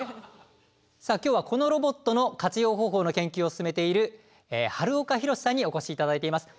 さあ今日はこのロボットの活用方法の研究を進めている春岡裕史さんにお越しいただいています。